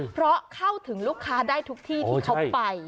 เพราะเข้าถึงลูกค้าได้ทุกที่ที่เขาไป